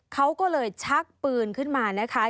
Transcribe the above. เขาก็เลยชักปืนขึ้นมานะคะ